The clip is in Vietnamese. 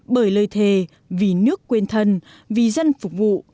bởi lời thề vì nước quên thân vì dân phục vụ